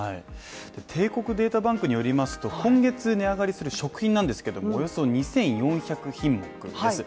帝国データバンクによりますと、今月値上がりする食品なんですけれどもおよそ２４００品目です。